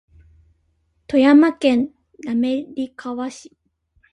富山県滑川市